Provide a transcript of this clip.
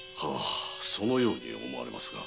そのように思われますが。